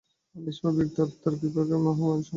নিষ্পাপ ব্যক্তি আত্মার কৃপায় তাঁহাকে সর্বমহিমময় দর্শন করে।